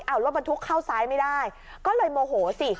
เอารถบรรทุกเข้าซ้ายไม่ได้ก็เลยโมโหสิ